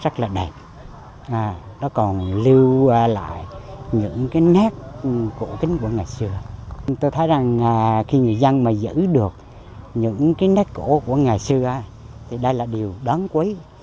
tôi thấy rằng khi người dân mà giữ được những cái nét cổ của ngày xưa thì đây là điều đáng quý